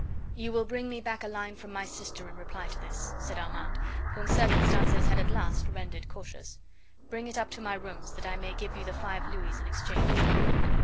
"You will bring me back a line from my sister in reply to this," said Armand, whom circumstances had at last rendered cautious. "Bring it up to my rooms that I may give you the five louis in exchange."